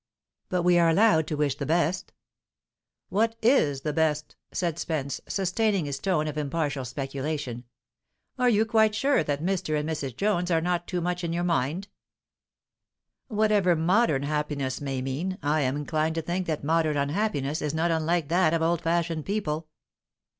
"But we are allowed to wish the best." "What is the best?" said Spenee, sustaining his tone of impartial speculation. "Are you quite sure that Mr. and Mrs. Jones are not too much in your mind?" "Whatever modern happiness may mean, I am inclined to think that modern unhappiness is not unlike that of old fashioned people."